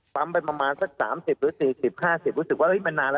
ปั๊มเป็นประมาณสักสามสิบหรือสี่สิบห้าสิบรู้สึกว่าเฮ้ยมันนานละ